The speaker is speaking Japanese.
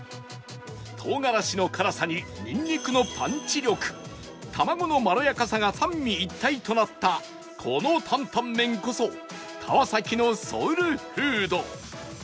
唐辛子の辛さにニンニクのパンチ力卵のまろやかさが三位一体となったこのタンタンメンこそ川崎のソウルフード